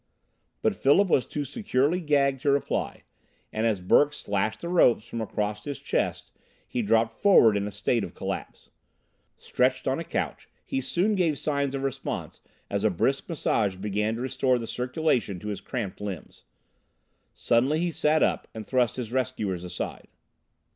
But Philip was too securely gagged to reply, and as Burke slashed the ropes from across his chest he dropped forward in a state of collapse. Stretched on a couch, he soon gave signs of response as a brisk massage began to restore the circulation to his cramped limbs. Suddenly he sat up and thrust his rescuers aside.